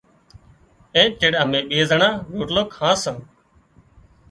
اين چيڙ امين ٻي زنڻان روٽلو کان سان۔